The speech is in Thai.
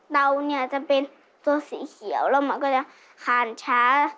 เต่าจะเป็นสีเขียวแล้วมันก็จะห่านช้า